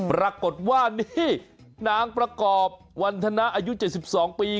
ปรากฏว่านี่นางประกอบวันธนาอายุ๗๒ปี